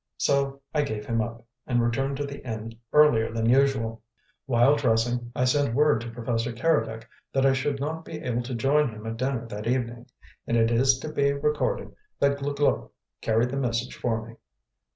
So I gave him up, and returned to the inn earlier than usual. While dressing I sent word to Professor Keredec that I should not be able to join him at dinner that evening; and it is to be recorded that Glouglou carried the message for me.